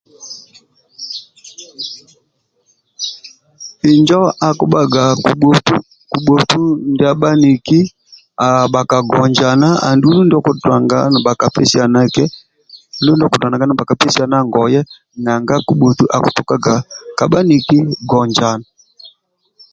Injo akubhaga kubhotu ndia bhaniki bhakagonjana andulu ndio okudunaga nibhakapesian eki nibhakapesiana ngoye nanga kubhotu akitukqga ka bhaniki gonjana